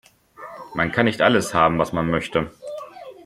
Man kann nicht alles haben, was man möchte.